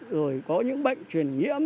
rồi có những bệnh truyền nhiễm